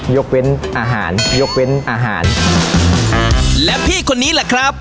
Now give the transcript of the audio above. ยกเว้นอาหารยกเว้นอาหารอ่าและพี่คนนี้แหละครับ